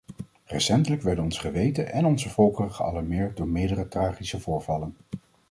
Recentelijk werden ons geweten en onze volkeren gealarmeerd door meerdere tragische voorvallen.